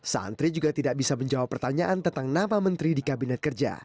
santri juga tidak bisa menjawab pertanyaan tentang nama menteri di kabinet kerja